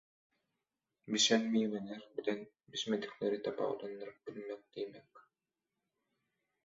Bişen miweler bilen bişmedikleri tapawutlandyryp bilmek diýmek.